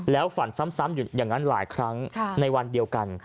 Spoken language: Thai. ฝันซ้ำอยู่อย่างนั้นหลายครั้งในวันเดียวกัน